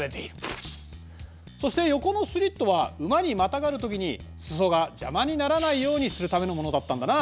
そして横のスリットは馬にまたがるときに裾が邪魔にならないようにするためのものだったんだな。